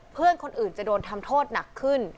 เพื่อนคนอื่นจะโดนทำโทษหนักขึ้น